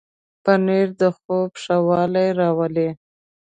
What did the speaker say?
پنېر د خوب ښه والی راولي.